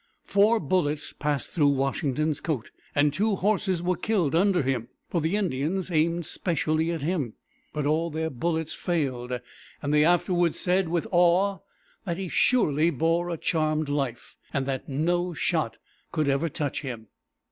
Four bullets passed through Washington's coat, and two horses were killed under him, for the Indians aimed specially at him. But all their bullets failed, and they afterwards said with awe that he surely bore a charmed life, and that no shot could ever touch him.